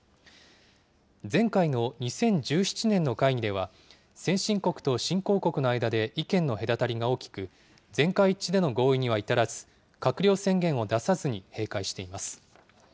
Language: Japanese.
前回の２０１７年の会議では、先進国と新興国の間で意見の隔たりが大きく、全会一致での合意には至らず、閣僚宣言を出さずに閉会しています。